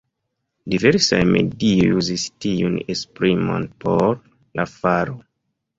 Diversaj medioj uzis tiun esprimon por la faro.